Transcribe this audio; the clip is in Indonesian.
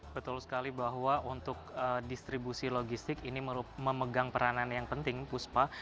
betul sekali bahwa untuk distribusi logistik ini memegang peranan yang penting puspa